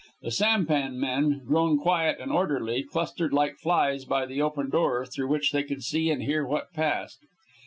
The sampan men, grown quiet and orderly, clustered like flies by the open door, through which they could see and hear what passed.